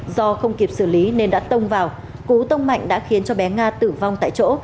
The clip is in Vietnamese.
do không kịp xử lý nên đã tông vào cú tông mạnh đã khiến cho bé nga tử vong tại chỗ